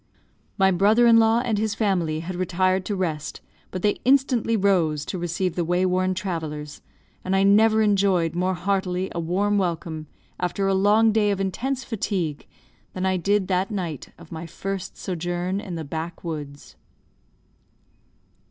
My brother in law and his family had retired to rest, but they instantly rose to receive the way worn travellers; and I never enjoyed more heartily a warm welcome after a long day of intense fatigue, than I did that night of my first sojourn in the backwoods.